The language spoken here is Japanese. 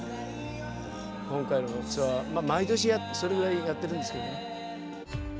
今回のツアー毎年それぐらいやってるんですけどね。